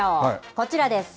こちらです。